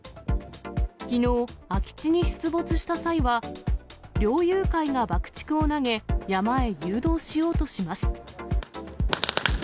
きのう、空き地に出没した際は、猟友会が爆竹を投げ、山へ誘導しようとします。